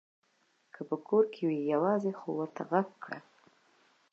که په کور کې وي يوارې خو ورته غږ کړه !